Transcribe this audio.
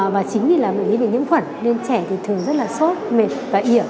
và chính vì là bệnh lý về nhiễm khuẩn nên trẻ thường rất là sốt mệt và ỉa